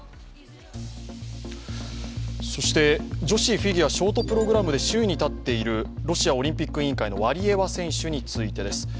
女子フィギュア・ショートプログラムで首位に立っているロシアオリンピック委員会のワリエワ選手についてです。